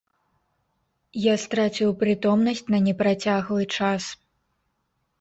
Я страціў прытомнасць на непрацяглы час.